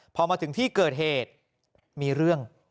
พอมาถึงที่เกิดเหตุมีเรื่อง